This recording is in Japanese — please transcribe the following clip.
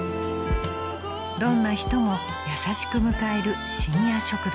［どんな人も優しく迎える深夜食堂］